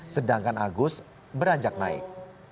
sedangkan agus beranjak naik